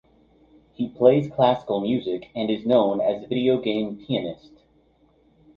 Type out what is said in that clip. He plays classical music and is known as Video Game Pianist.